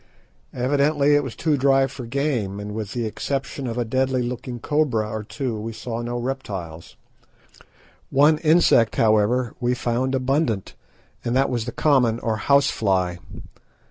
Evidently it was too dry for game, and with the exception of a deadly looking cobra or two we saw no reptiles. One insect, however, we found abundant, and that was the common or house fly.